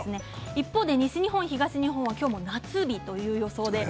一方で西日本、東日本は夏日という予想です。